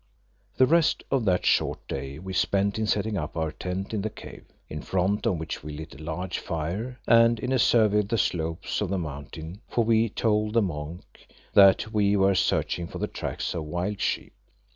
The rest of that short day we spent in setting up our tent in the cave, in front of which we lit a large fire, and in a survey of the slopes of the mountain, for we told the monk that we were searching for the tracks of wild sheep.